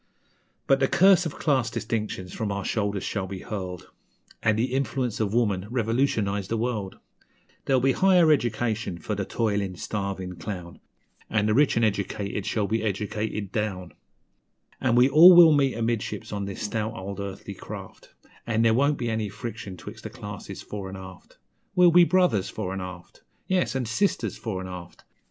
But the curse o' class distinctions from our shoulders shall be hurled, An' the influence of woman revolutionize the world; There'll be higher education for the toilin' starvin' clown, An' the rich an' educated shall be educated down; An' we all will meet amidships on this stout old earthly craft, An' there won't be any friction 'twixt the classes fore 'n' aft. We'll be brothers, fore 'n' aft! Yes, an' sisters, fore 'n' aft!